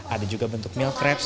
ada juga bentuk milk crepes